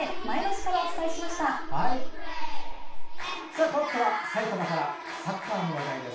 かわっては埼玉からサッカーの話題です。